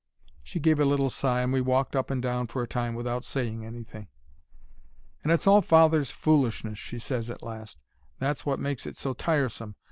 "She gave a little sigh, and we walked up and down for a time without saying anything. "'And it's all father's foolishness,' she ses, at last; 'that's wot makes it so tiresome.